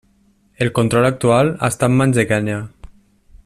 El control actual està en mans de Kenya.